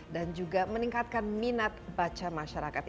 dan juga meningkatkan minat baca masyarakatnya